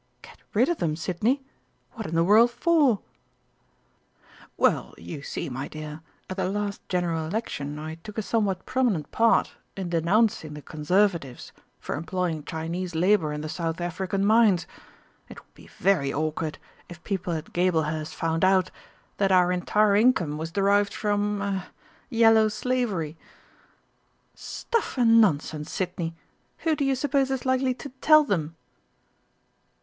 "Get rid of them, Sidney? What in the world for?" "Well, you see, my dear, at the last General Election I took a somewhat prominent part in denouncing the Conservatives for employing Chinese labour in the South African mines. It would be very awkward if people at Gablehurst found out that our entire income was derived from er 'Yellow Slavery.'" "Stuff and nonsense, Sidney! Who do you suppose is likely to tell them?"